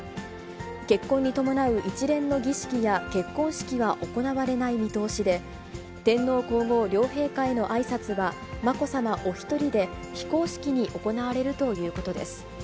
結婚に伴う一連の儀式や結婚式は行われない見通しで、天皇皇后両陛下へのあいさつは、まこさまお一人で非公式に行われるということです。